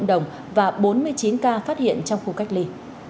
trong đó có bốn mươi chín ca phát hiện trong khu cách ly